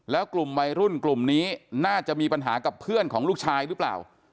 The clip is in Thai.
แล้วกลุ่มวัยรุ่นกลุ่มนี้น่าจะมีปัญหากับเพื่อนของลูกชายหรือเปล่า